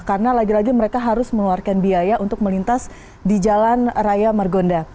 karena lagi lagi mereka harus meluarkan biaya untuk melintas di jalan raya margonda